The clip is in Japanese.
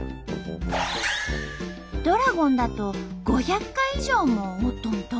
ドラゴンだと５００回以上も折っとんと！